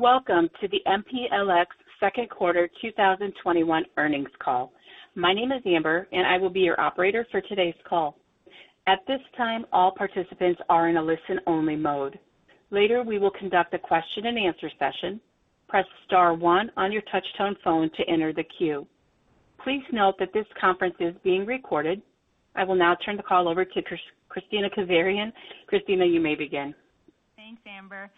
Welcome to the MPLX Second Quarter 2021 Earnings Call. My name is Amber, and I will be your operator for today's call. At this time, all participants are in a listen-only mode. Later, we will conduct a question-and-answer session. Press star one on your touch-tone phone to enter the queue. Please note that this conference is being recorded. I will now turn the call over to Kristina Kazarian. Kristina, you may begin. Thanks, Amber.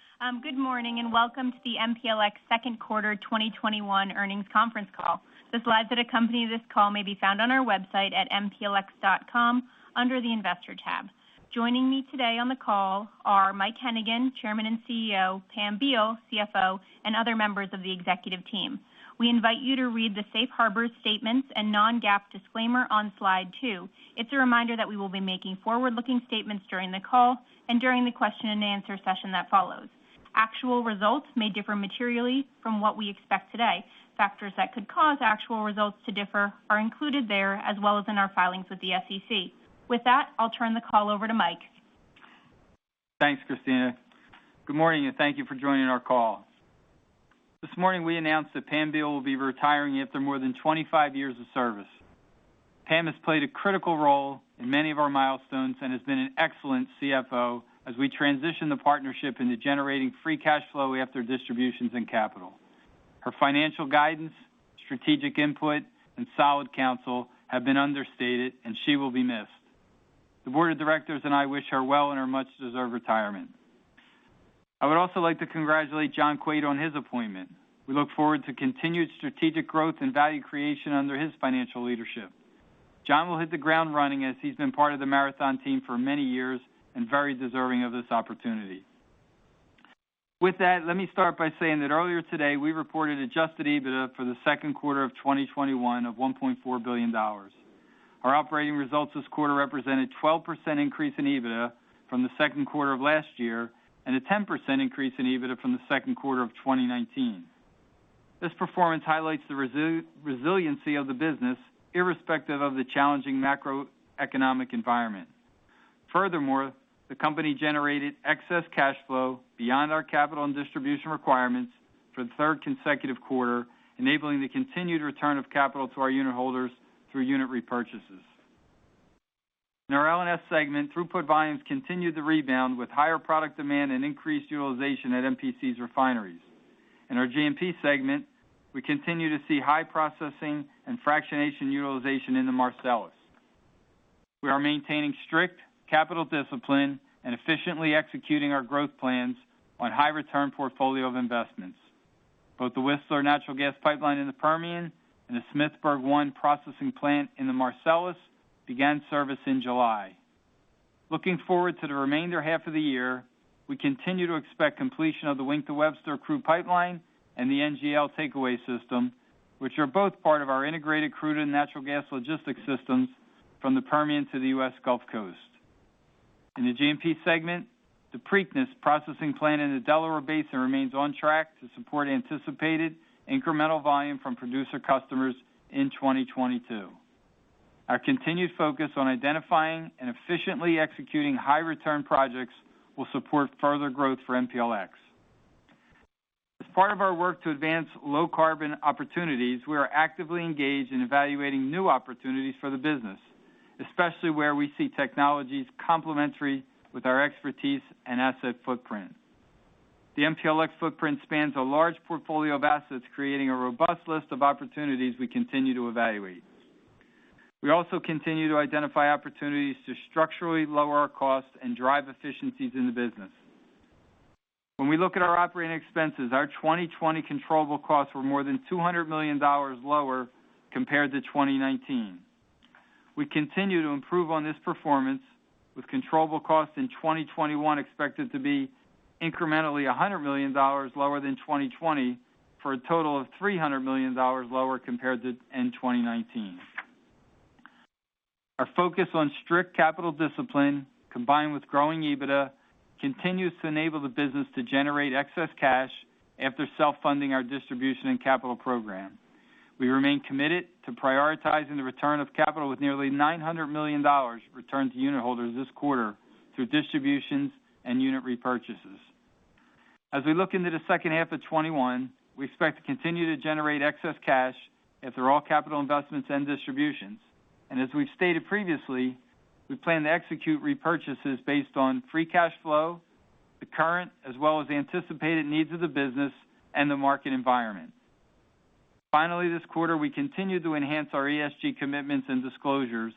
Good morning, and welcome to the MPLX Second Quarter 2021 Earnings Conference Call. The slides that accompany this call may be found on our website at mplx.com under the Investor tab. Joining me today on the call are Mike Hennigan, Chairman and CEO, Pam Beall, CFO, and other members of the executive team. We invite you to read the safe harbor statements and non-GAAP disclaimer on slide two. It's a reminder that we will be making forward-looking statements during the call and during the question-and-answer session that follows. Actual results may differ materially from what we expect today. Factors that could cause actual results to differ are included there as well as in our filings with the SEC. With that, I'll turn the call over to Mike. Thanks, Kristina. Good morning, and thank you for joining our call. This morning, we announced that Pam Beall will be retiring after more than 25 years of service. Pam has played a critical role in many of our milestones and has been an excellent CFO as we transition the partnership into generating free cash flow after distributions and capital. Her financial guidance, strategic input, and solid counsel have been understated, and she will be missed. The board of directors and I wish her well in her much-deserved retirement. I would also like to congratulate John J. Quaid on his appointment. We look forward to continued strategic growth and value creation under his financial leadership. John will hit the ground running as he's been part of the Marathon team for many years and very deserving of this opportunity. With that, let me start by saying that earlier today, we reported adjusted EBITDA for the second quarter of 2021 of $1.4 billion. Our operating results this quarter represent a 12% increase in EBITDA from the second quarter of last year and a 10% increase in EBITDA from the second quarter of 2019. This performance highlights the resiliency of the business irrespective of the challenging macroeconomic environment. Furthermore, the company generated excess cash flow beyond our capital and distribution requirements for the third consecutive quarter, enabling the continued return of capital to our unit holders through unit repurchases. In our L&S segment, throughput volumes continued to rebound with higher product demand and increased utilization at MPC's refineries. In our G&P segment, we continue to see high processing and fractionation utilization in the Marcellus. We are maintaining strict capital discipline and efficiently executing our growth plans on high-return portfolio of investments. Both the Whistler natural gas pipeline in the Permian and the Smithburg 1 processing plant in the Marcellus began service in July. Looking forward to the remainder half of the year, we continue to expect completion of the Wink to Webster crude pipeline and the NGL takeaway system, which are both part of our integrated crude and natural gas logistics systems from the Permian to the U.S. Gulf Coast. In the G&P segment, the Preakness processing plant in the Delaware Basin remains on track to support anticipated incremental volume from producer customers in 2022. Our continued focus on identifying and efficiently executing high-return projects will support further growth for MPLX. As part of our work to advance low carbon opportunities, we are actively engaged in evaluating new opportunities for the business, especially where we see technologies complementary with our expertise and asset footprint. The MPLX footprint spans a large portfolio of assets, creating a robust list of opportunities we continue to evaluate. We also continue to identify opportunities to structurally lower our costs and drive efficiencies in the business. When we look at our operating expenses, our 2020 controllable costs were more than $200 million lower compared to 2019. We continue to improve on this performance with controllable costs in 2021 expected to be incrementally $100 million lower than 2020 for a total of $300 million lower compared to in 2019. Our focus on strict capital discipline, combined with growing EBITDA, continues to enable the business to generate excess cash after self-funding our distribution and capital program. We remain committed to prioritizing the return of capital with nearly $900 million returned to unit holders this quarter through distributions and unit repurchases. As we look into the second half of 2021, we expect to continue to generate excess cash after all capital investments and distributions. As we've stated previously, we plan to execute repurchases based on free cash flow, the current, as well as the anticipated needs of the business and the market environment. Finally, this quarter, we continued to enhance our ESG commitments and disclosures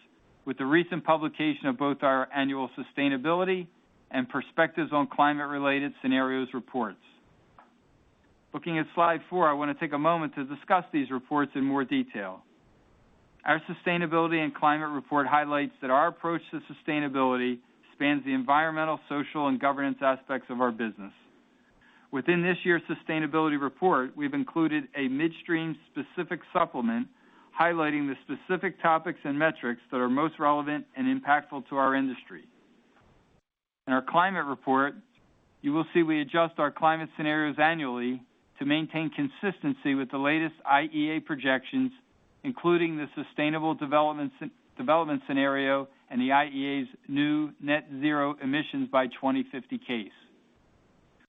with the recent publication of both our annual sustainability and perspectives on climate-related scenarios reports. Looking at slide four, I want to take a moment to discuss these reports in more detail. Our sustainability and climate report highlights that our approach to sustainability spans the environmental, social, and governance aspects of our business. Within this year's sustainability report, we've included a midstream-specific supplement highlighting the specific topics and metrics that are most relevant and impactful to our industry. In our climate report, you will see we adjust our climate scenarios annually to maintain consistency with the latest IEA projections, including the Sustainable Development Scenario and the IEA's new Net Zero Emissions by 2050 case.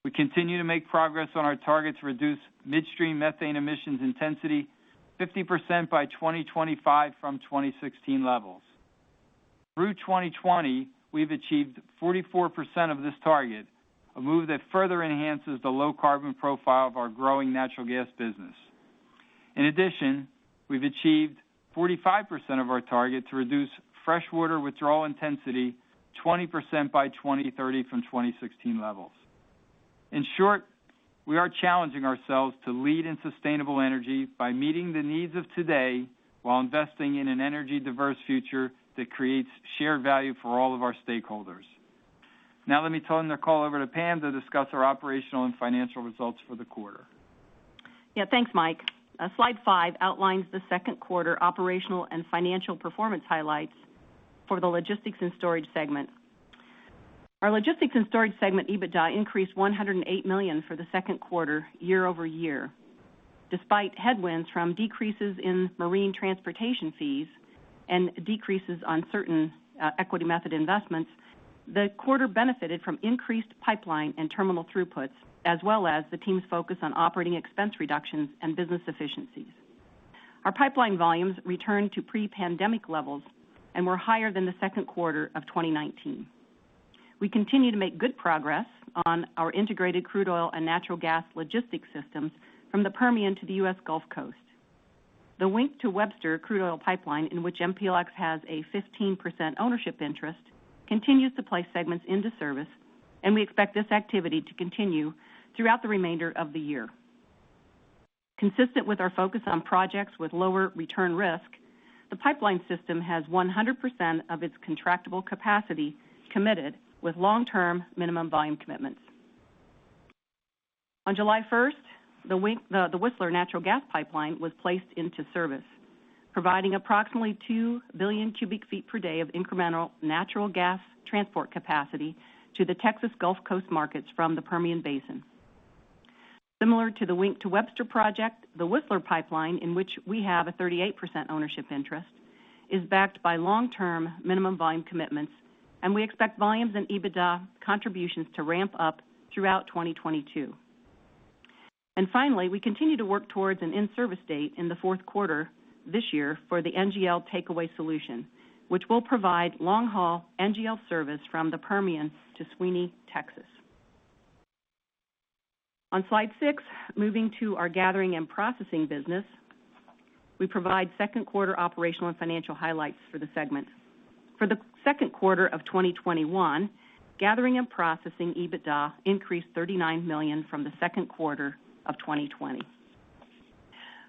We continue to make progress on our target to reduce midstream methane emissions intensity 50% by 2025 from 2016 levels. Through 2020, we've achieved 44% of this target, a move that further enhances the low carbon profile of our growing natural gas business. In addition, we've achieved 45% of our target to reduce freshwater withdrawal intensity 20% by 2030 from 2016 levels. In short, we are challenging ourselves to lead in sustainable energy by meeting the needs of today while investing in an energy diverse future that creates shared value for all of our stakeholders. Let me turn the call over to Pam to discuss our operational and financial results for the quarter. Yeah, thanks, Mike. Slide five outlines the second quarter operational and financial performance highlights for the Logistics and Storage segment. Our Logistics and Storage segment EBITDA increased $108 million for the second quarter year-over-year. Despite headwinds from decreases in marine transportation fees and decreases on certain equity method investments, the quarter benefited from increased pipeline and terminal throughputs, as well as the team's focus on operating expense reductions and business efficiencies. Our pipeline volumes returned to pre-pandemic levels and were higher than the second quarter of 2019. We continue to make good progress on our integrated crude oil and natural gas logistics systems from the Permian to the U.S. Gulf Coast. The Wink to Webster crude oil pipeline, in which MPLX has a 15% ownership interest, continues to place segments into service, we expect this activity to continue throughout the remainder of the year. Consistent with our focus on projects with lower return risk, the pipeline system has 100% of its contractable capacity committed with long-term Minimum Volume Commitments. On July 1st, the Whistler natural gas pipeline was placed into service, providing approximately 2 billion cubic feet per day of incremental natural gas transport capacity to the Texas Gulf Coast markets from the Permian Basin. Similar to the Wink to Webster project, the Whistler pipeline, in which we have a 38% ownership interest, is backed by long-term Minimum Volume Commitments, and we expect volumes and EBITDA contributions to ramp up throughout 2022. Finally, we continue to work towards an in-service date in the fourth quarter this year for the NGL Takeaway Solution, which will provide long-haul NGL service from the Permian to Sweeny, Texas. On slide six, moving to our Gathering & Processing business, we provide second quarter operational and financial highlights for the segment. For the second quarter of 2021, Gathering & Processing EBITDA increased $39 million from the second quarter of 2020.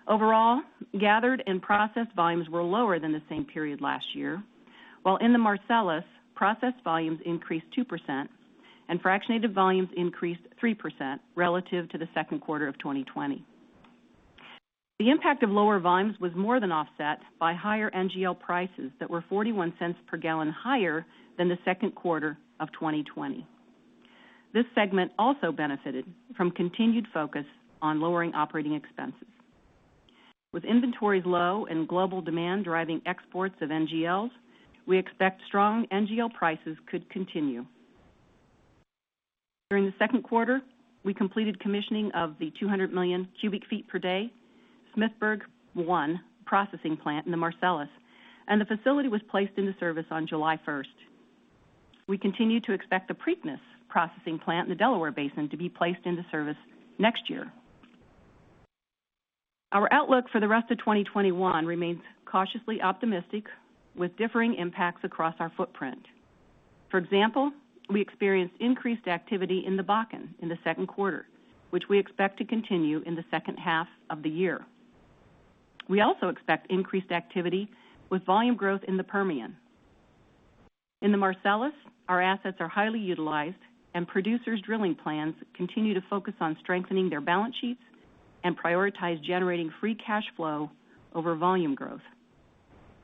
Overall, gathered and processed volumes were lower than the same period last year. While in the Marcellus, processed volumes increased 2% and fractionated volumes increased 3% relative to the second quarter of 2020. The impact of lower volumes was more than offset by higher NGL prices that were $0.41 per gallon higher than the second quarter of 2020. This segment also benefited from continued focus on lowering operating expenses. With inventories low and global demand driving exports of NGLs, we expect strong NGL prices could continue. During the second quarter, we completed commissioning of the 200 million cubic feet per day Smithburg 1 processing plant in the Marcellus, and the facility was placed into service on July 1st. We continue to expect the Preakness processing plant in the Delaware Basin to be placed into service next year. Our outlook for the rest of 2021 remains cautiously optimistic, with differing impacts across our footprint. For example, we experienced increased activity in the Bakken in the second quarter, which we expect to continue in the second half of the year. We also expect increased activity with volume growth in the Permian. In the Marcellus, our assets are highly utilized, and producers' drilling plans continue to focus on strengthening their balance sheets and prioritize generating free cash flow over volume growth.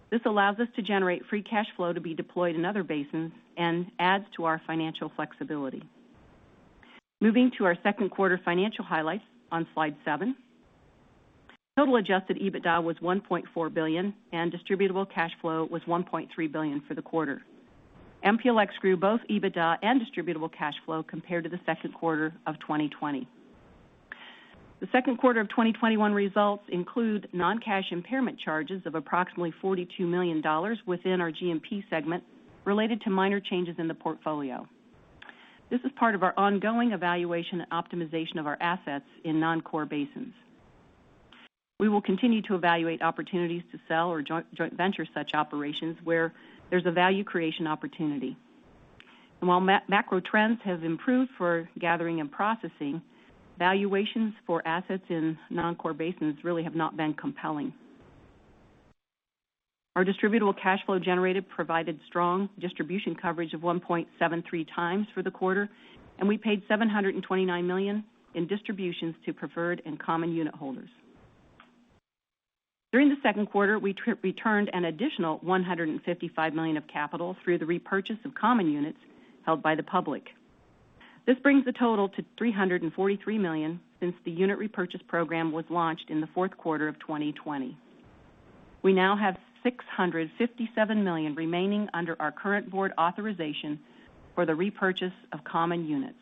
This allows us to generate free cash flow to be deployed in other basins and adds to our financial flexibility. Moving to our second quarter financial highlights on slide seven. Total adjusted EBITDA was $1.4 billion, and distributable cash flow was $1.3 billion for the quarter. MPLX grew both EBITDA and distributable cash flow compared to the second quarter of 2020. The second quarter of 2021 results include non-cash impairment charges of approximately $42 million within our G&P segment related to minor changes in the portfolio. This is part of our ongoing evaluation and optimization of our assets in non-core basins. We will continue to evaluate opportunities to sell or joint venture such operations where there is a value creation opportunity. While macro trends have improved for gathering and processing, valuations for assets in non-core basins really have not been compelling. Our distributable cash flow generated provided strong distribution coverage of 1.73 times for the quarter, and we paid $729 million in distributions to preferred and common unit holders. During the second quarter, we returned an additional $155 million of capital through the repurchase of common units held by the public. This brings the total to $343 million since the unit repurchase program was launched in the fourth quarter of 2020. We now have $657 million remaining under our current board authorization for the repurchase of common units.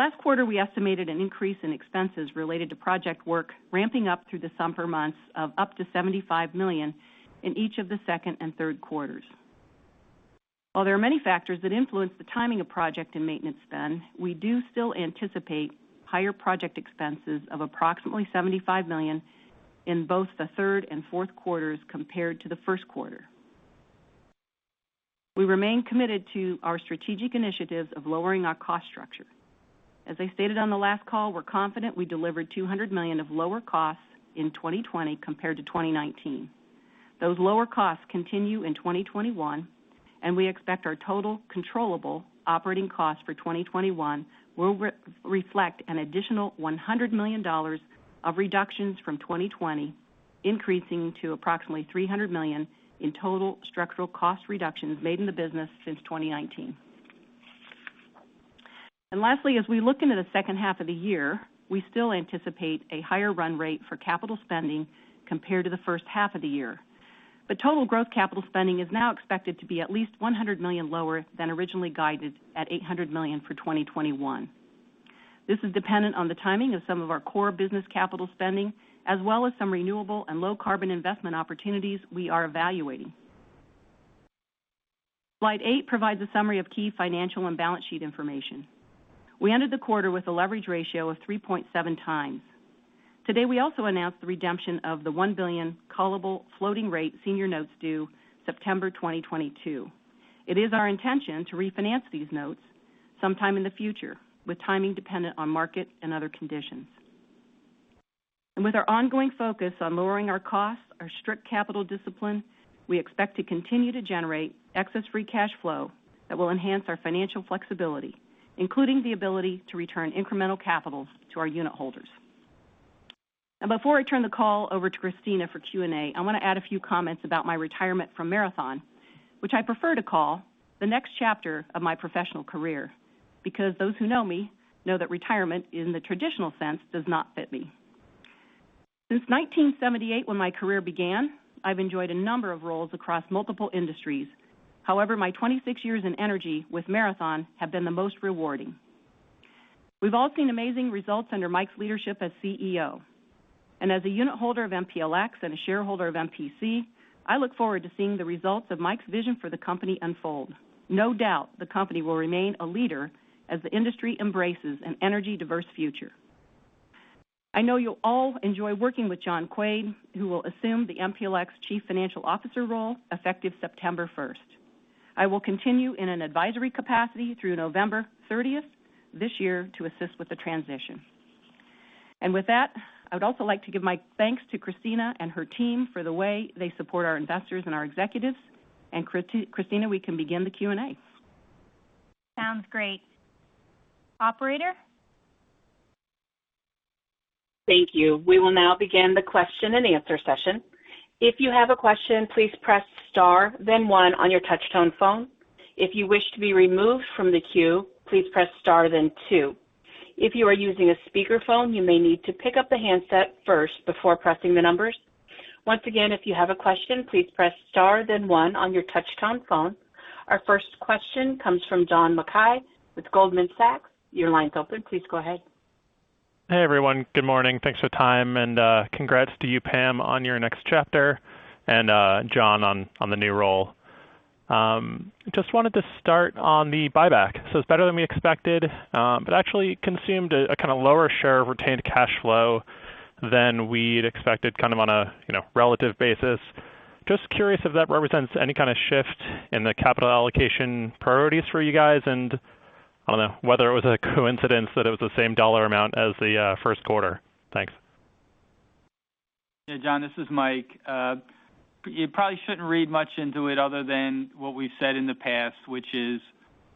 Last quarter, we estimated an increase in expenses related to project work ramping up through the summer months of up to $75 million in each of the second and third quarters. While there are many factors that influence the timing of project and maintenance spend, we do still anticipate higher project expenses of approximately $75 million in both the third and fourth quarters compared to the first quarter. We remain committed to our strategic initiatives of lowering our cost structure. As I stated on the last call, we're confident we delivered $200 million of lower costs in 2020 compared to 2019. Those lower costs continue in 2021, and we expect our total controllable operating costs for 2021 will reflect an additional $100 million of reductions from 2020, increasing to approximately $300 million in total structural cost reductions made in the business since 2019. Lastly, as we look into the second half of the year, we still anticipate a higher run rate for capital spending compared to the first half of the year. Total growth capital spending is now expected to be at least $100 million lower than originally guided at $800 million for 2021. This is dependent on the timing of some of our core business capital spending, as well as some renewable and low-carbon investment opportunities we are evaluating. Slide eight provides a summary of key financial and balance sheet information. We ended the quarter with a leverage ratio of 3.7x. Today, we also announced the redemption of the $1 billion callable floating-rate senior notes due September 2022. It is our intention to refinance these notes sometime in the future, with timing dependent on market and other conditions. With our ongoing focus on lowering our costs, our strict capital discipline, we expect to continue to generate excess free cash flow that will enhance our financial flexibility, including the ability to return incremental capital to our unitholders. Before I turn the call over to Kristina for Q&A, I want to add a few comments about my retirement from Marathon, which I prefer to call the next chapter of my professional career, because those who know me know that retirement in the traditional sense does not fit me. Since 1978, when my career began, I've enjoyed a number of roles across multiple industries. However, my 26 years in energy with Marathon have been the most rewarding. We've all seen amazing results under Mike's leadership as CEO. As a unitholder of MPLX and a shareholder of MPC, I look forward to seeing the results of Mike's vision for the company unfold. No doubt the company will remain a leader as the industry embraces an energy-diverse future. I know you'll all enjoy working with John Quaid, who will assume the MPLX Chief Financial Officer role effective September 1st. I will continue in an advisory capacity through November 30th this year to assist with the transition. With that, I would also like to give my thanks to Kristina and her team for the way they support our investors and our executives. Kristina, we can begin the Q&A. Sounds great. Operator? Thank you. We will now begin the question-and-answer session. If you have a question, please press star then one on your touchtone phone. If you wish to be removed from the queue, please press star then two. If you are using a speakerphone, you may need to pick up the handset first before pressing the numbers. Once again, if you have a question, please press star then one on your touchtone phone. Our first question comes from John Mackay with Goldman Sachs. Your line's open. Please go ahead. Hey, everyone. Good morning. Thanks for the time, and congrats to you, Pam, on your next chapter, and John on the new role. Just wanted to start on the buyback. It's better than we expected. Actually consumed a kind of lower share of retained cash flow than we'd expected on a relative basis. Curious if that represents any kind of shift in the capital allocation priorities for you guys, and I don't know, whether it was a coincidence that it was the same dollar amount as the first quarter. Thanks. John, this is Mike. You probably shouldn't read much into it other than what we've said in the past, which is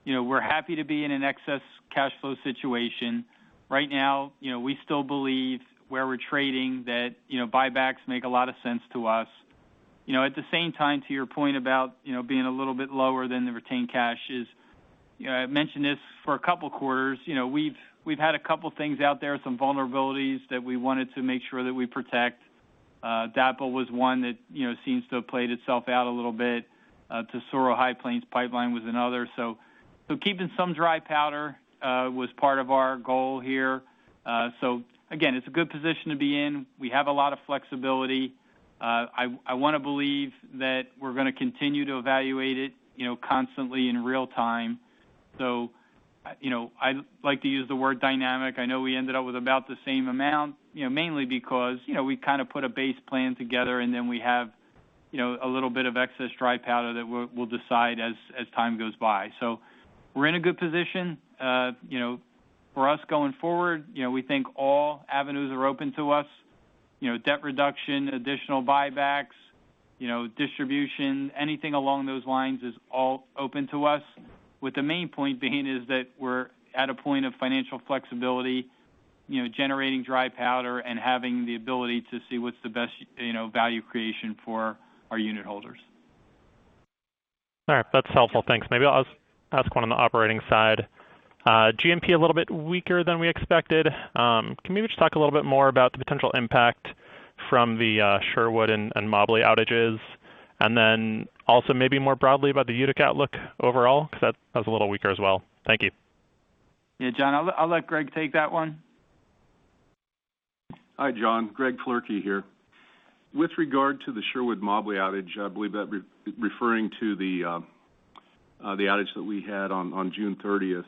we're happy to be in an excess cash flow situation. Right now, we still believe where we're trading, that buybacks make a lot of sense to us. At the same time, to your point about being a little bit lower than the retained cash is, I've mentioned this for a couple of quarters. We've had a couple things out there, some vulnerabilities that we wanted to make sure that we protect. DAPL was one that seems to have played itself out a little bit. Tesoro High Plains Pipeline was another. Keeping some dry powder was part of our goal here. Again, it's a good position to be in. We have a lot of flexibility. I want to believe that we're going to continue to evaluate it constantly in real-time. I like to use the word dynamic. I know we ended up with about the same amount, mainly because we kind of put a base plan together, and then we have a little bit of excess dry powder that we'll decide as time goes by. We're in a good position. For us, going forward, we think all avenues are open to us. Debt reduction, additional buybacks, distribution, anything along those lines is all open to us, with the main point being is that we're at a point of financial flexibility generating dry powder and having the ability to see what's the best value creation for our unitholders. All right. That's helpful. Thanks. Maybe I'll ask one on the operating side. G&P, a little bit weaker than we expected. Can you maybe just talk a little bit more about the potential impact from the Sherwood and Mobley outages? Also maybe more broadly about the Utica outlook overall, because that was a little weaker as well. Thank you. Yeah. John, I'll let Greg take that one. Hi, John. Gregory Floerke here. With regard to the Sherwood Mobley outage, I believe that referring to the outage that we had on June 30th.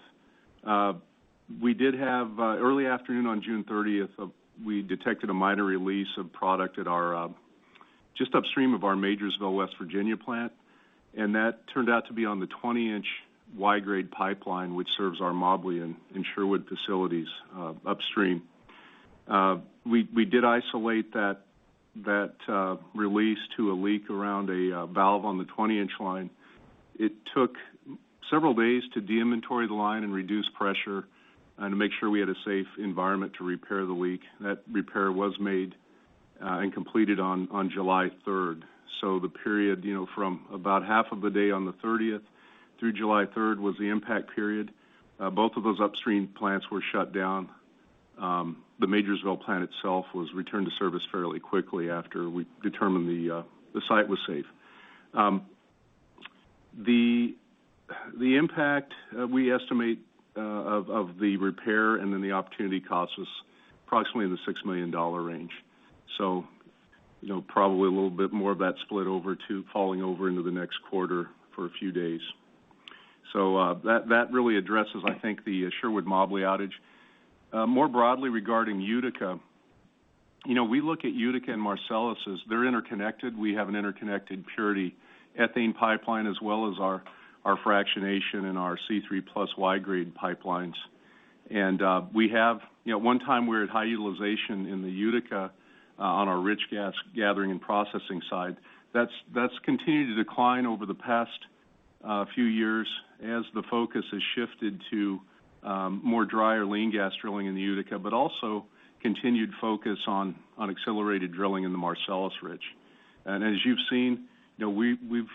Early afternoon on June 30th, we detected a minor release of product just upstream of our Majorsville, West Virginia plant, and that turned out to be on the 20-inch Y-grade pipeline, which serves our Mobley and Sherwood facilities upstream. We did isolate that release to a leak around a valve on the 20-inch line. It took several days to de-inventory the line and reduce pressure and to make sure we had a safe environment to repair the leak. That repair was made and completed on July 3rd. The period from about half of the day on the 30th through July 3rd was the impact period. Both of those upstream plants were shut down. The Majorsville plant itself was returned to service fairly quickly after we determined the site was safe. The impact we estimate of the repair and then the opportunity cost was approximately in the $6 million range. Probably a little bit more of that split over to falling over into the next quarter for a few days. That really addresses, I think, the Sherwood Mobley outage. More broadly regarding Utica. We look at Utica and Marcellus as they're interconnected. We have an interconnected purity ethane pipeline as well as our fractionation and our C3+ Y-grade pipelines. At one time, we were at high utilization in the Utica on our rich gas gathering and processing side. That's continued to decline over the past few years as the focus has shifted to more dry or lean gas drilling in the Utica, but also continued focus on accelerated drilling in the Marcellus Rich. As you've seen, we've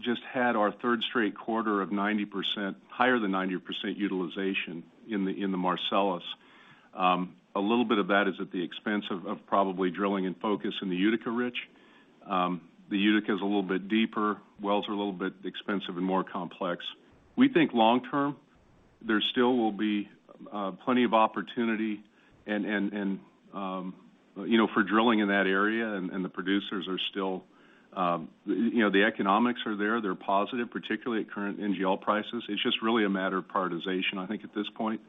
just had our third straight quarter of higher than 90% utilization in the Marcellus. A little bit of that is at the expense of probably drilling and focus in the Utica Rich. The Utica is a little bit deeper. Wells are a little bit expensive and more complex. We think long term, there still will be plenty of opportunity for drilling in that area, and the economics are there. They're positive, particularly at current NGL prices. It's just really a matter of prioritization, I think, at this point.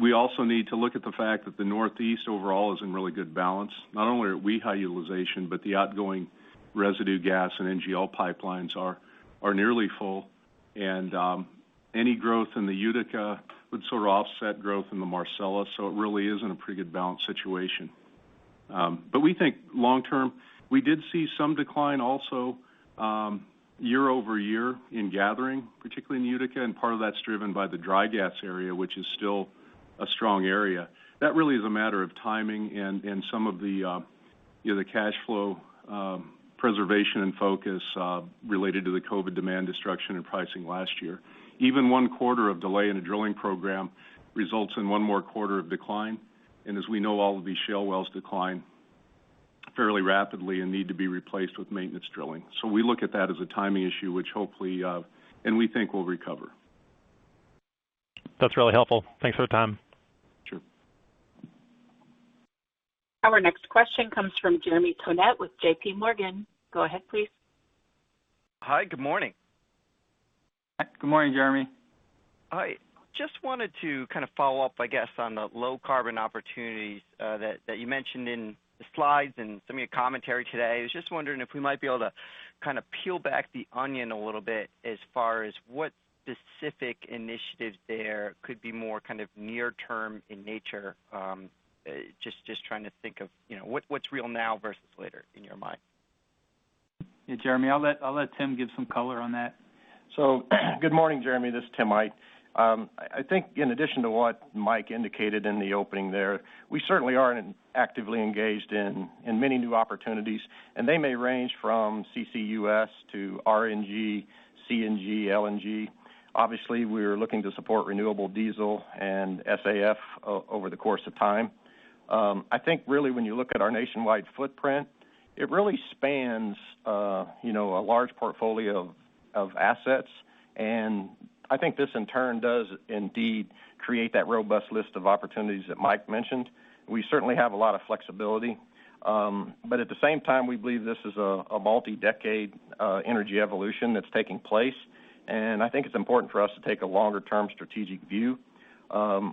We also need to look at the fact that the Northeast overall is in really good balance. Not only are we high utilization. The outgoing residue gas and NGL pipelines are nearly full. Any growth in the Utica would sort of offset growth in the Marcellus. It really is in a pretty good balance situation. We think long term, we did see some decline also year-over-year in gathering, particularly in Utica, and part of that's driven by the dry gas area, which is still a strong area. That really is a matter of timing and some of the cash flow preservation and focus related to the COVID demand destruction and pricing last year. Even one quarter of delay in a drilling program results in one more quarter of decline. As we know, all of these shale wells decline fairly rapidly and need to be replaced with maintenance drilling. We look at that as a timing issue, which hopefully and we think will recover. That's really helpful. Thanks for the time. Sure. Our next question comes from Jeremy Tonet with JPMorgan. Go ahead, please. Hi. Good morning. Good morning, Jeremy. I just wanted to kind of follow up, I guess, on the low carbon opportunities that you mentioned in the slides and some of your commentary today. I was just wondering if we might be able to kind of peel back the onion a little bit as far as what specific initiatives there could be more kind of near term in nature. Just trying to think of what's real now versus later in your mind. Yeah, Jeremy, I'll let Tim give some color on that. Good morning, Jeremy. This is Timothy Aydt. I think in addition to what Mike indicated in the opening there, we certainly are actively engaged in many new opportunities, and they may range from CCUS to RNG, CNG, LNG. Obviously, we are looking to support renewable diesel and SAF over the course of time. I think really when you look at our nationwide footprint, it really spans a large portfolio of assets, and I think this in turn does indeed create that robust list of opportunities that Mike mentioned. We certainly have a lot of flexibility. At the same time, we believe this is a multi-decade energy evolution that's taking place, and I think it's important for us to take a longer-term strategic view.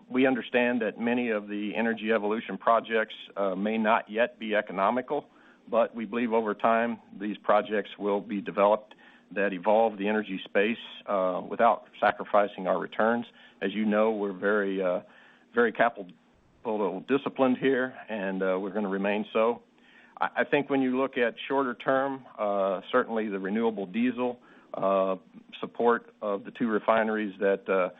We understand that many of the energy evolution projects may not yet be economical, but we believe over time these projects will be developed that evolve the energy space without sacrificing our returns. As you know, we're very capital disciplined here, and we're going to remain so. I think when you look at shorter term, certainly the renewable diesel support of the two refineries that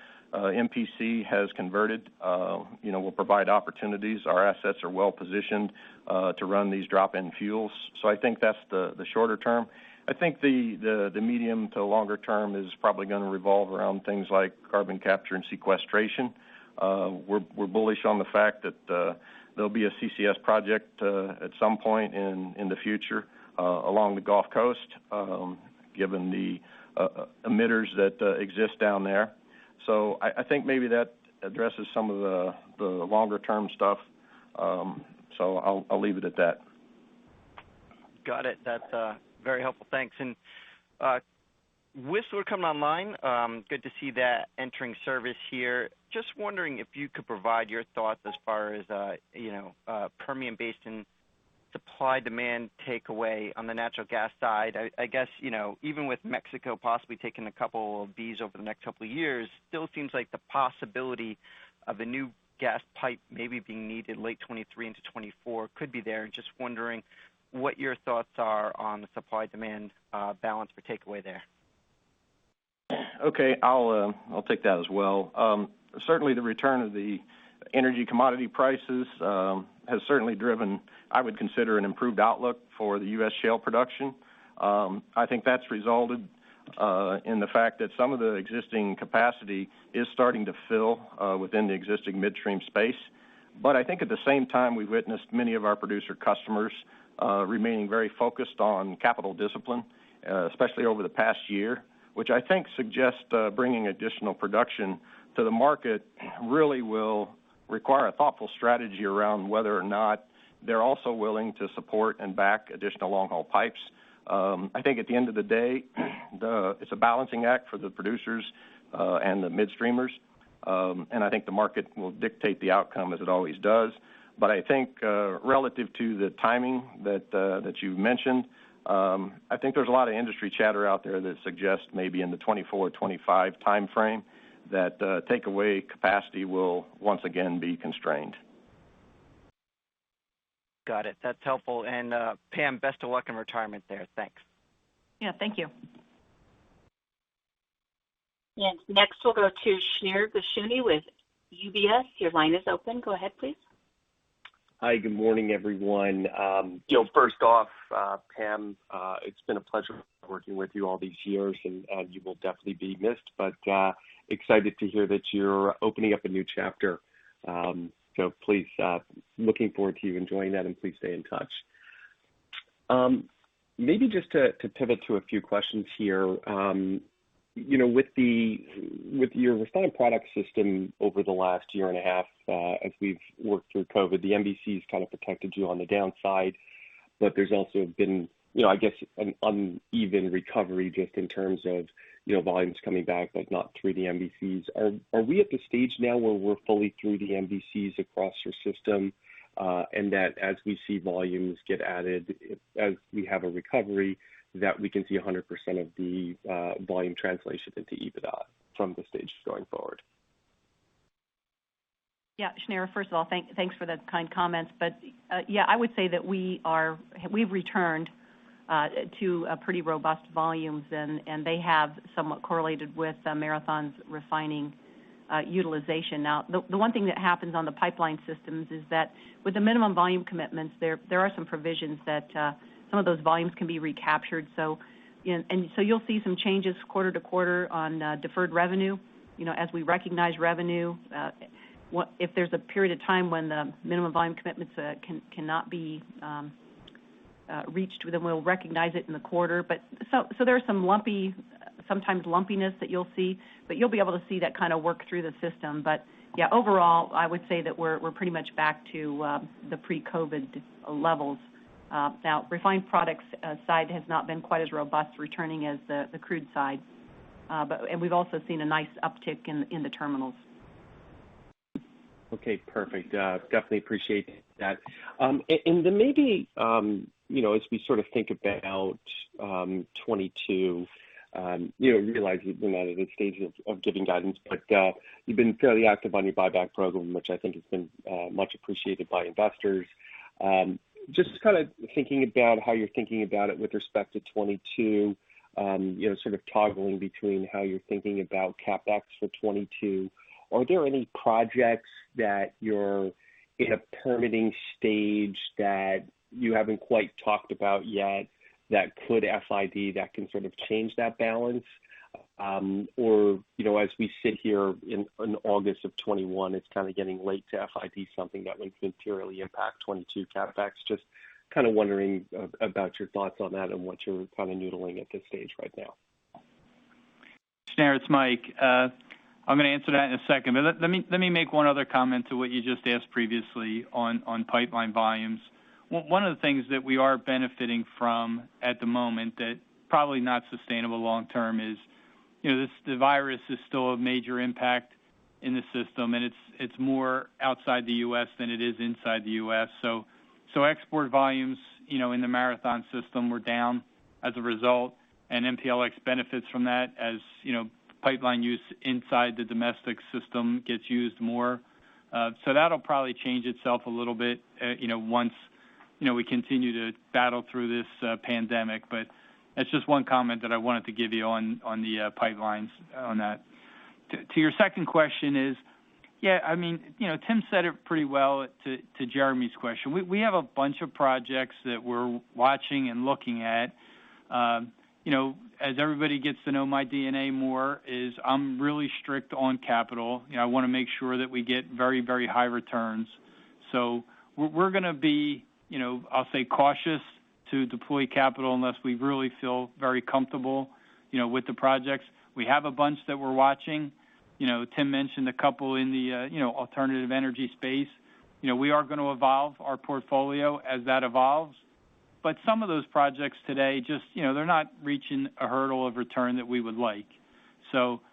MPC has converted will provide opportunities. Our assets are well-positioned to run these drop-in fuels. I think that's the shorter term. I think the medium to longer term is probably going to revolve around things like carbon capture and sequestration. We're bullish on the fact that there'll be a CCS project at some point in the future along the Gulf Coast given the emitters that exist down there. I think maybe that addresses some of the longer-term stuff. I'll leave it at that. Got it. That's very helpful. Thanks. With Whistler coming online, good to see that entering service here. Just wondering if you could provide your thoughts as far as Permian Basin supply-demand takeaway on the natural gas side. I guess, even with Mexico possibly taking a couple of these over the next couple of years, still seems like the possibility of a new gas pipe maybe being needed late 2023 into 2024 could be there. Just wondering what your thoughts are on the supply-demand balance for takeaway there. Okay. I'll take that as well. Certainly, the return of the energy commodity prices has certainly driven, I would consider, an improved outlook for the U.S. shale production. I think that's resulted in the fact that some of the existing capacity is starting to fill within the existing midstream space. I think at the same time, we've witnessed many of our producer customers remaining very focused on capital discipline, especially over the past year Which I think suggests bringing additional production to the market really will require a thoughtful strategy around whether or not they're also willing to support and back additional long-haul pipes. I think at the end of the day, it's a balancing act for the producers and the midstreamers, and I think the market will dictate the outcome as it always does. I think relative to the timing that you've mentioned, I think there's a lot of industry chatter out there that suggests maybe in the 2024-2025 timeframe that takeaway capacity will once again be constrained. Got it. That's helpful. Pam, best of luck in retirement there. Thanks. Yeah. Thank you. Next we'll go to Shneur Gershuni with UBS. Your line is open. Go ahead, please. Hi. Good morning, everyone. First off, Pam, it's been a pleasure working with you all these years, and you will definitely be missed, but excited to hear that you're opening up a new chapter. Please, looking forward to you enjoying that, and please stay in touch. Maybe just to pivot to a few questions here. With your refined product system over the last year and a half as we've worked through COVID, the MVC has kind of protected you on the downside, but there's also been, I guess, an uneven recovery just in terms of volumes coming back, but not through the MVCs. Are we at the stage now where we're fully through the MVCs across your system? That as we see volumes get added, as we have a recovery, that we can see 100% of the volume translation into EBITDA from this stage going forward? Yeah. Shneur, first of all, thanks for the kind comments. Yeah, I would say that we've returned to pretty robust volumes, and they have somewhat correlated with Marathon's refining utilization. Now, the one thing that happens on the pipeline systems is that with the minimum volume commitments, there are some provisions that some of those volumes can be recaptured. You'll see some changes quarter to quarter on deferred revenue as we recognize revenue. If there's a period of time when the minimum volume commitments cannot be reached, then we'll recognize it in the quarter. There's sometimes lumpiness that you'll see, but you'll be able to see that kind of work through the system. Yeah, overall, I would say that we're pretty much back to the pre-COVID levels. Now, refined products side has not been quite as robust returning as the crude side. We've also seen a nice uptick in the terminals. Okay, perfect. Definitely appreciate that. Then maybe as we sort of think about 2022, realizing you're not at the stage of giving guidance, but you've been fairly active on your buyback program, which I think has been much appreciated by investors. Thinking about how you're thinking about it with respect to 2022, sort of toggling between how you're thinking about CapEx for 2022. Are there any projects that you're in a permitting stage that you haven't quite talked about yet that could FID that can sort of change that balance? As we sit here in August of 2021, it's kind of getting late to FID something that would materially impact 2022 CapEx. Wondering about your thoughts on that and what you're kind of noodling at this stage right now. Shneur, it's Mike. I'm going to answer that in a second, but let me make one other comment to what you just asked previously on pipeline volumes. One of the things that we are benefiting from at the moment that probably not sustainable long term is the virus is still a major impact in the system, and it's more outside the U.S. than it is inside the U.S. Export volumes in the Marathon system were down as a result, and MPLX benefits from that as pipeline use inside the domestic system gets used more. That'll probably change itself a little bit once We continue to battle through this pandemic, but that's just one comment that I wanted to give you on the pipelines on that. To your second question is, Tim said it pretty well to Jeremy's question. We have a bunch of projects that we're watching and looking at. As everybody gets to know my DNA more is I'm really strict on capital. I want to make sure that we get very high returns. We're going to be, I'll say, cautious to deploy capital unless we really feel very comfortable with the projects. We have a bunch that we're watching. Tim mentioned a couple in the alternative energy space. We are going to evolve our portfolio as that evolves. Some of those projects today, they're not reaching a hurdle of return that we would like.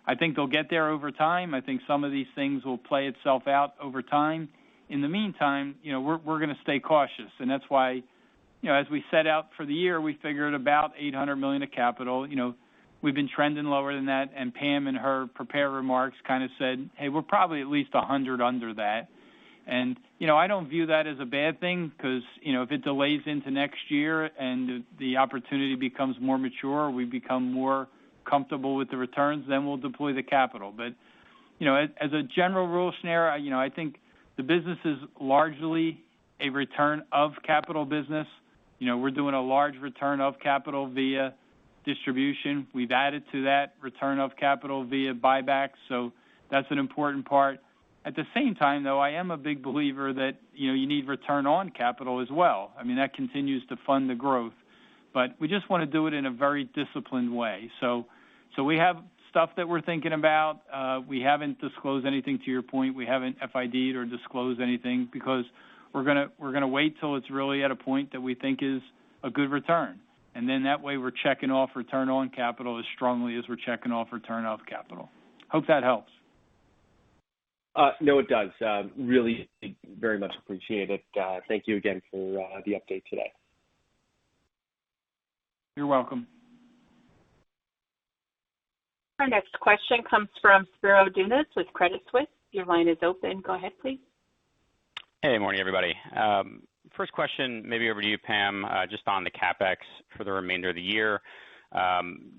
I think they'll get there over time. I think some of these things will play itself out over time. In the meantime, we're going to stay cautious, and that's why as we set out for the year, we figured about $800 million of capital. We've been trending lower than that, and Pam in her prepared remarks kind of said, "Hey, we're probably at least $100 under that." I don't view that as a bad thing because if it delays into next year and the opportunity becomes more mature, we become more comfortable with the returns, then we'll deploy the capital. As a general rule, Shneur, I think the business is largely a return of capital business. We're doing a large return of capital via distribution. We've added to that return of capital via buybacks, so that's an important part. At the same time, though, I am a big believer that you need return on capital as well. That continues to fund the growth. We just want to do it in a very disciplined way. We have stuff that we're thinking about. We haven't disclosed anything to your point. We haven't FID or disclosed anything because we're going to wait till it's really at a point that we think is a good return. Then that way we're checking off return on capital as strongly as we're checking off return of capital. Hope that helps. No, it does. I really very much appreciate it. Thank you again for the update today. You're welcome. Our next question comes from Spiro Dounis with Credit Suisse. Your line is open. Go ahead, please. Hey, morning, everybody. First question, maybe over to you, Pam, just on the CapEx for the remainder of the year.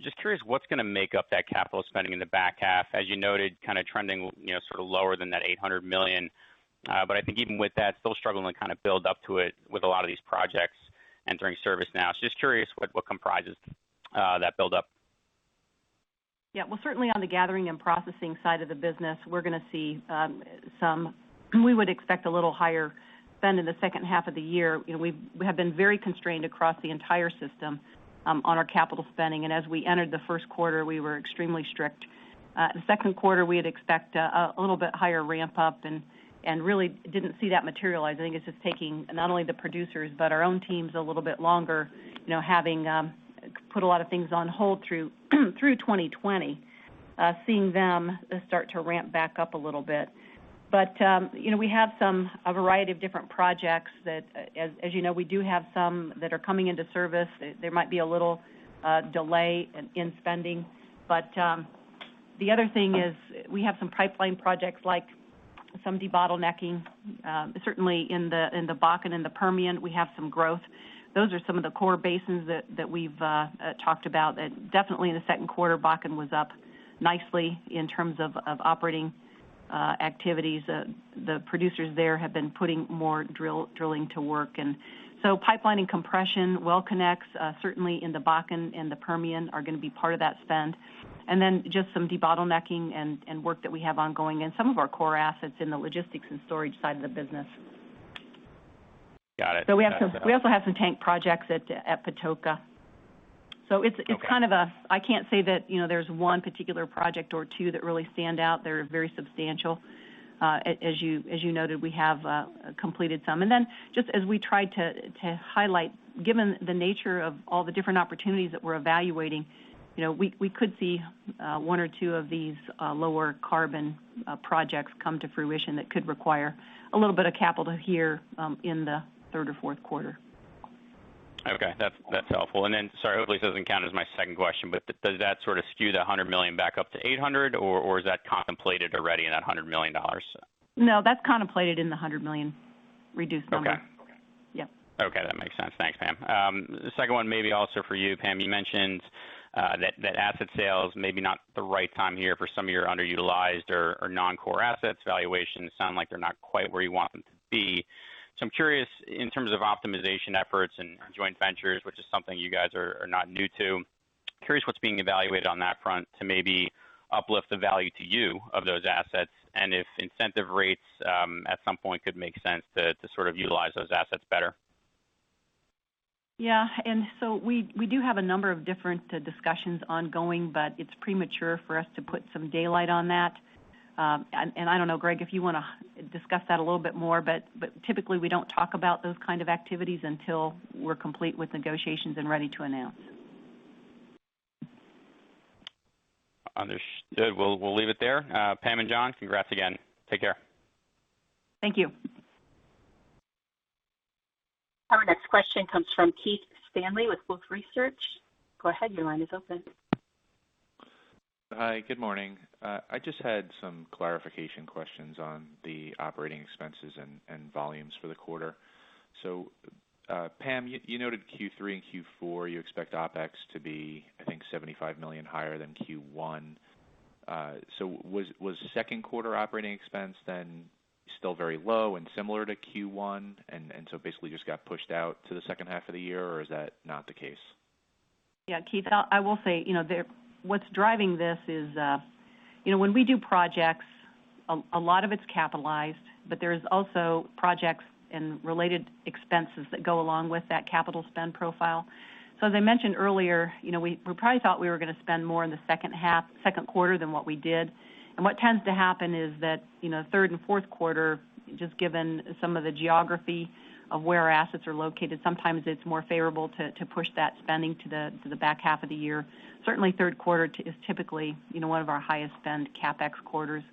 Just curious what's going to make up that capital spending in the back half. As you noted, trending sort of lower than that $800 million. But I think even with that, still struggling to kind of build up to it with a lot of these projects entering service now. Just curious what comprises that buildup? Yeah. Well, certainly on the gathering and processing side of the business, we would expect a little higher spend in the second half of the year. We have been very constrained across the entire system on our capital spending. As we entered the first quarter, we were extremely strict. The second quarter, we'd expect a little bit higher ramp-up and really didn't see that materialize. I think it's just taking not only the producers but our own teams a little bit longer having put a lot of things on hold through 2020. Seeing them start to ramp back up a little bit. We have a variety of different projects that, as you know, we do have some that are coming into service. There might be a little delay in spending. The other thing is we have some pipeline projects, like some debottlenecking. Certainly in the Bakken and the Permian, we have some growth. Those are some of the core basins that we've talked about. Definitely in the second quarter, Bakken was up nicely in terms of operating activities. The producers there have been putting more drilling to work. Pipeline and compression, well connects, certainly in the Bakken and the Permian are going to be part of that spend. Then just some debottlenecking and work that we have ongoing in some of our core assets in the logistics and storage side of the business. Got it. We also have some tank projects at Patoka. Okay. I can't say that there's one particular project or two that really stand out. They're very substantial. As you noted, we have completed some. Then just as we tried to highlight, given the nature of all the different opportunities that we're evaluating, we could see one or two of these lower carbon projects come to fruition that could require a little bit of capital here in the third or fourth quarter. Okay. That's helpful. Sorry, hopefully this doesn't count as my second question, but does that sort of skew the $100 million back up to $800 million, or is that contemplated already in that $100 million? No, that's contemplated in the $100 million reduced number. Okay. Yeah. Okay. That makes sense. Thanks, Pam. The second one maybe also for you, Pam. You mentioned that asset sales maybe not the right time here for some of your underutilized or non-core assets. Valuations sound like they're not quite where you want them to be. I'm curious in terms of optimization efforts and joint ventures, which is something you guys are not new to, curious what's being evaluated on that front to maybe uplift the value to you of those assets and if incentive rates at some point could make sense to sort of utilize those assets better? Yeah. We do have a number of different discussions ongoing, but it's premature for us to put some daylight on that. I don't know, Greg, if you want to discuss that a little bit more, but typically we don't talk about those kind of activities until we're complete with negotiations and ready to announce. Understood. We'll leave it there. Pam and John, congrats again. Take care. Thank you. Our next question comes from Keith Stanley with Wolfe Research. Go ahead, your line is open. Hi, good morning. I just had some clarification questions on the operating expenses and volumes for the quarter. Pam, you noted Q3 and Q4, you expect OpEx to be, I think, $75 million higher than Q1. Was second quarter operating expense then still very low and similar to Q1, basically just got pushed out to the second half of the year, or is that not the case? Yeah, Keith, I will say what's driving this is when we do projects, a lot of it's capitalized, but there is also projects and related expenses that go along with that capital spend profile. As I mentioned earlier, we probably thought we were going to spend more in the second quarter than what we did. What tends to happen is that third and fourth quarter, just given some of the geography of where our assets are located, sometimes it's more favorable to push that spending to the back half of the year. Certainly third quarter is typically one of our highest spend CapEx quarters.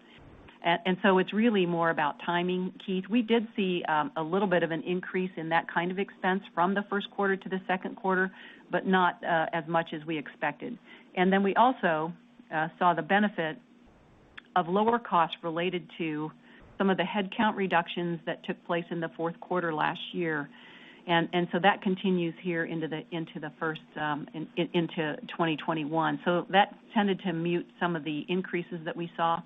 It's really more about timing, Keith. We did see a little bit of an increase in that kind of expense from the first quarter to the second quarter, but not as much as we expected. We also saw the benefit of lower costs related to some of the headcount reductions that took place in the fourth quarter last year. That continues here into 2021. That tended to mute some of the increases that we saw.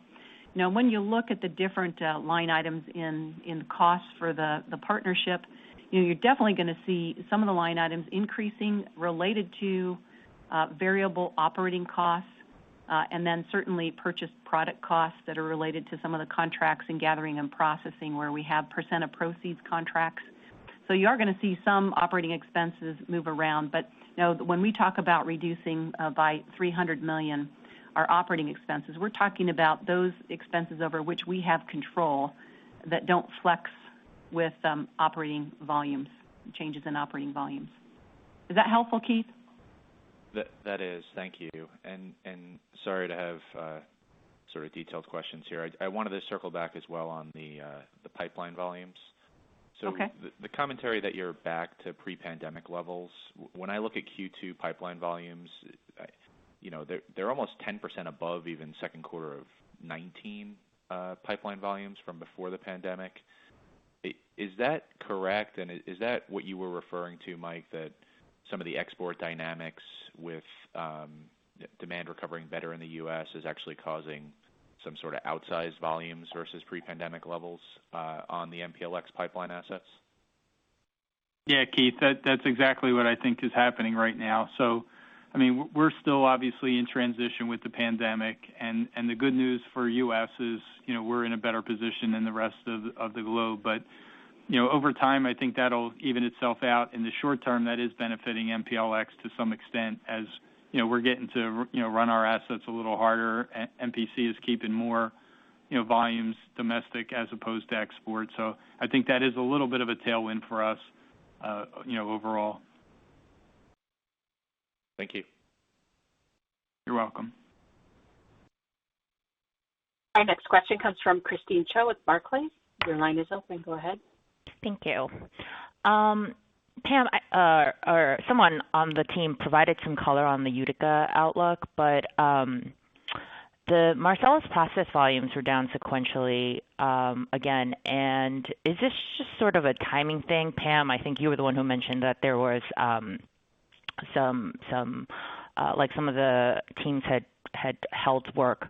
Now when you look at the different line items in costs for the partnership, you're definitely going to see some of the line items increasing related to variable operating costs. Certainly purchased product costs that are related to some of the contracts in Gathering & Processing where we have percent of proceeds contracts. You are going to see some operating expenses move around, but when we talk about reducing by $300 million our operating expenses, we're talking about those expenses over which we have control that don't flex with operating volumes, changes in operating volumes. Is that helpful, Keith? That is. Thank you. Sorry to have sort of detailed questions here. I wanted to circle back as well on the pipeline volumes. Okay. The commentary that you're back to pre-pandemic levels, when I look at Q2 pipeline volumes, they're almost 10% above even second quarter of 2019 pipeline volumes from before the pandemic. Is that correct, and is that what you were referring to, Mike, that some of the export dynamics with demand recovering better in the U.S. is actually causing some sort of outsized volumes versus pre-pandemic levels on the MPLX pipeline assets? Yeah, Keith, that's exactly what I think is happening right now. We're still obviously in transition with the pandemic, and the good news for the U.S. is we're in a better position than the rest of the globe. Over time, I think that'll even itself out. In the short term, that is benefiting MPLX to some extent as we're getting to run our assets a little harder. MPC is keeping more volumes domestic as opposed to export. I think that is a little bit of a tailwind for us overall. Thank you. You're welcome. Our next question comes from Christine Cho with Barclays. Your line is open. Go ahead. Thank you. Pam, or someone on the team provided some color on the Utica outlook, but the Marcellus process volumes were down sequentially again. Is this just sort of a timing thing, Pam? I think you were the one who mentioned that some of the teams had held work.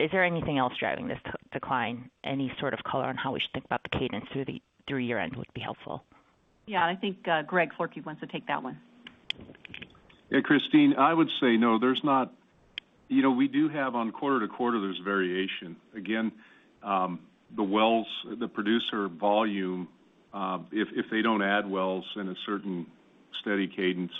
Is there anything else driving this decline? Any sort of color on how we should think about the cadence through year-end would be helpful. Yeah. I think Gregory Floerke wants to take that one. Yeah, Christine, I would say no. We do have on quarter-over-quarter, there's variation. The wells, the producer volume, if they don't add wells in a certain steady cadence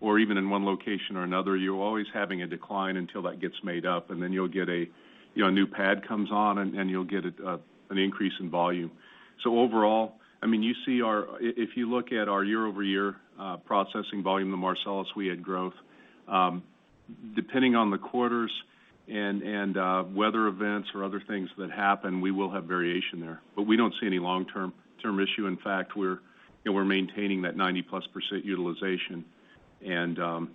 or even in one location or another, you're always having a decline until that gets made up, and then a new pad comes on, and you'll get an increase in volume. Overall, if you look at our year-over-year processing volume in Marcellus, we had growth. Depending on the quarters and weather events or other things that happen, we will have variation there, but we don't see any long-term issue. In fact, we're maintaining that 90+% utilization and around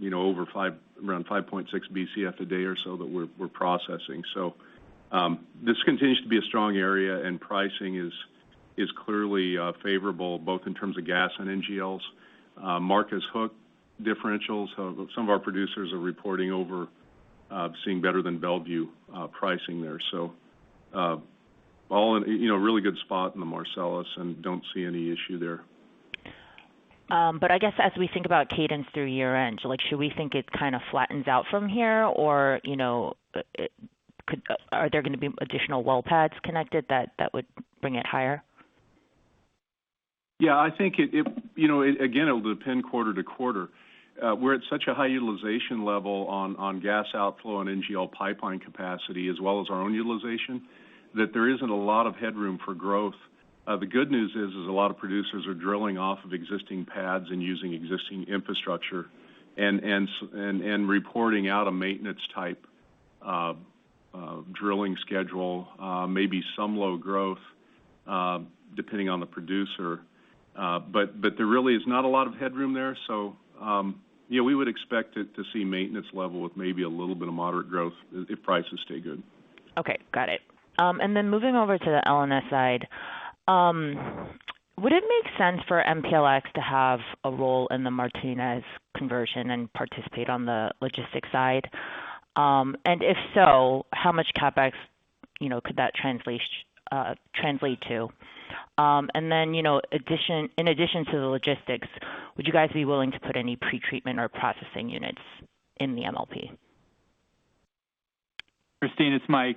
5.6 bcf/d or so that we're processing. This continues to be a strong area, and pricing is clearly favorable both in terms of gas and NGLs. Marcus Hook differentials, some of our producers are reporting over seeing better than Mont Belvieu pricing there. A really good spot in the Marcellus and don't see any issue there. I guess as we think about cadence through year-end, should we think it kind of flattens out from here, or are there going to be additional well pads connected that would bring it higher? Yeah, I think again, it'll depend quarter to quarter. We're at such a high utilization level on gas outflow and NGL pipeline capacity as well as our own utilization that there isn't a lot of headroom for growth. The good news is a lot of producers are drilling off of existing pads and using existing infrastructure and reporting out a maintenance type drilling schedule. Maybe some low growth depending on the producer. There really is not a lot of headroom there. We would expect it to see maintenance level with maybe a little bit of moderate growth if prices stay good. Okay, got it. Moving over to the L&S side. Would it make sense for MPLX to have a role in the Martinez conversion and participate on the logistics side? If so, how much CapEx could that translate to? In addition to the logistics, would you guys be willing to put any pretreatment or processing units in the MLP? Christine, it's Mike.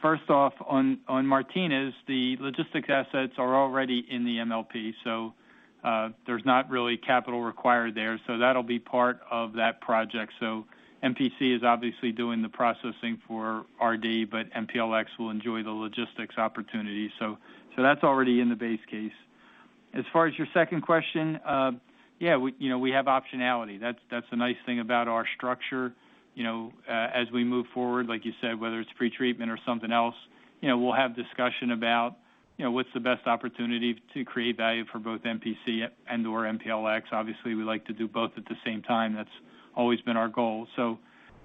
First off, on Martinez, the logistics assets are already in the MLP, so there's not really capital required there. That'll be part of that project. MPC is obviously doing the processing for RD, but MPLX will enjoy the logistics opportunity. That's already in the base case. As far as your second question, yeah, we have optionality. That's the nice thing about our structure. As we move forward, like you said, whether it's pretreatment or something else, we'll have discussion about what's the best opportunity to create value for both MPC and/or MPLX. Obviously, we like to do both at the same time. That's always been our goal.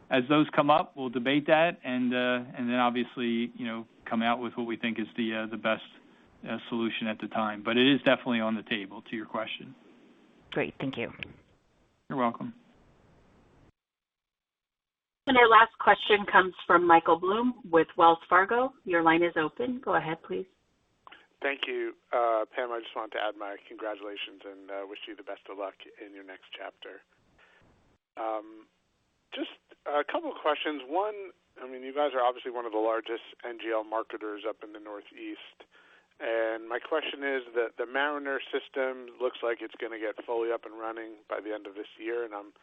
As those come up, we'll debate that and then obviously, come out with what we think is the best solution at the time. But it is definitely on the table to your question. Great. Thank you. You're welcome. Our last question comes from Michael Blum with Wells Fargo. Your line is open. Go ahead, please. Thank you. Pam, I just wanted to add my congratulations and wish you the best of luck in your next chapter. Just a couple questions. One, you guys are obviously one of the largest NGL marketers up in the Northeast. My question is that the Mariner system looks like it's going to get fully up and running by the end of this year, and I'm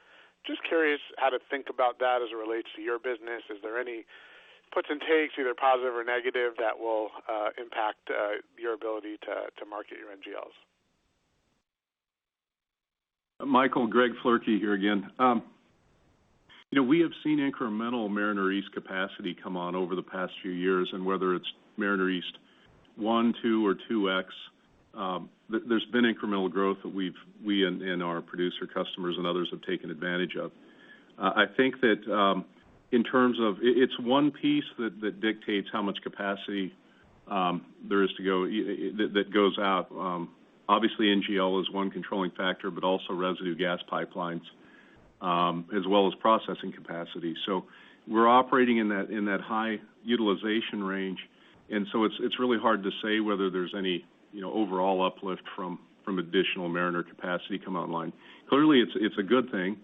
just curious how to think about that as it relates to your business. Is there any puts and takes, either positive or negative, that will impact your ability to market your NGLs? Michael, Gregory Floerke here again. We have seen incremental Mariner East capacity come on over the past few years. Whether it's Mariner East 1, 2, or 2X, there's been incremental growth that we and our producer customers and others have taken advantage of. I think that it's one piece that dictates how much capacity there is to go that goes out. Obviously NGL is one controlling factor. Also residue gas pipelines, as well as processing capacity. We're operating in that high utilization range. It's really hard to say whether there's any overall uplift from additional Mariner capacity come online. Clearly, it's a good thing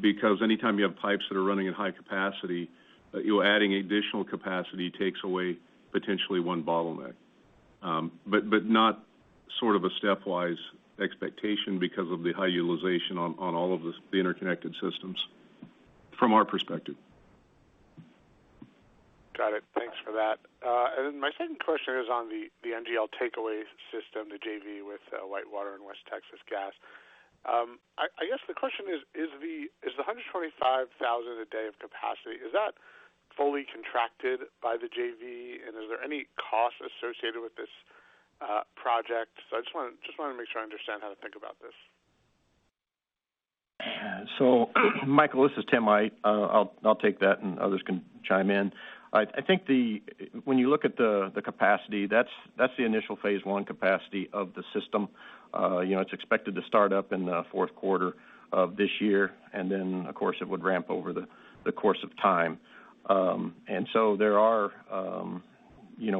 because anytime you have pipes that are running at high capacity, you adding additional capacity takes away potentially one bottleneck but not sort of a stepwise expectation because of the high utilization on all of the interconnected systems from our perspective. Got it. Thanks for that. My second question is on the NGL Takeaway Solution, the JV with WhiteWater Midstream and West Texas Gas. I guess the question is the 125,000 a day of capacity, is that fully contracted by the JV and is there any cost associated with this project? I just wanted to make sure I understand how to think about this. Michael, this is Tim. I'll take that and others can chime in. I think when you look at the capacity, that's the initial phase I capacity of the system. It's expected to start up in fourth quarter of this year, of course it would ramp over the course of time.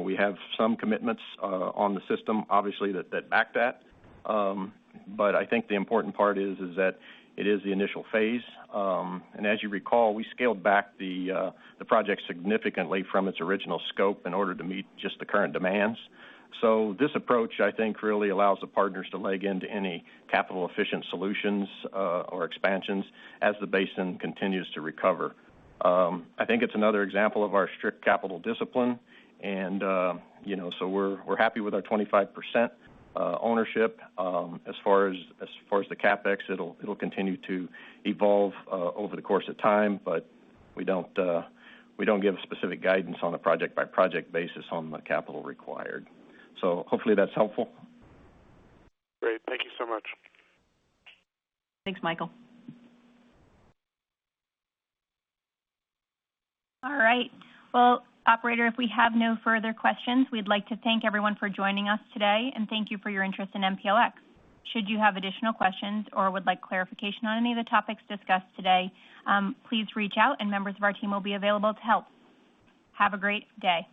We have some commitments on the system, obviously, that back that. I think the important part is that it is the initial phase. As you recall, we scaled back the project significantly from its original scope in order to meet just the current demands. This approach, I think, really allows the partners to leg into any capital efficient solutions or expansions as the basin continues to recover. I think it's another example of our strict capital discipline. We're happy with our 25% ownership. As far as the CapEx, it'll continue to evolve over the course of time, but we don't give specific guidance on a project-by-project basis on the capital required. Hopefully that's helpful. Great. Thank you so much. Thanks, Michael. All right. Well, operator, if we have no further questions, we'd like to thank everyone for joining us today, and thank you for your interest in MPLX. Should you have additional questions or would like clarification on any of the topics discussed today, please reach out and members of our team will be available to help. Have a great day.